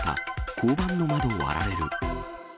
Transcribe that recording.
交番の窓割られる。